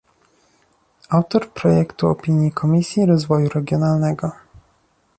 autor projektu opinii Komisji Rozwoju Regionalnego